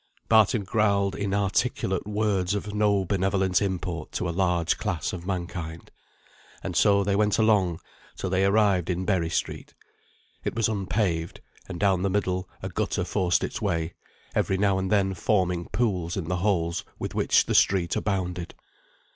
Barton growled inarticulate words of no benevolent import to a large class of mankind, and so they went along till they arrived in Berry Street. It was unpaved; and down the middle a gutter forced its way, every now and then forming pools in the holes with which the street abounded.